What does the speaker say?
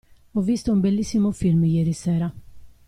Ho visto un bellissimo film ieri sera.